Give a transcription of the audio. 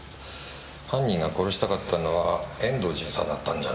犯人が殺したかったのは遠藤巡査だったんじゃないのか？